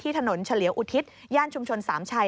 ถนนเฉลียวอุทิศย่านชุมชนสามชัย